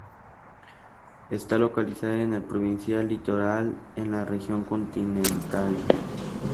Está localizada en el provincia Litoral en la región continental.